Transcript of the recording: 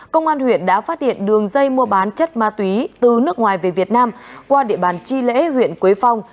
công an huyện đã phát hiện đường dây mua bán chất ma túy từ nước ngoài về việt nam qua địa bàn chi lễ huyện quế phong